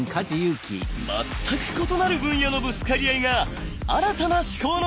全く異なる分野のぶつかり合いが新たな思考の頂へ。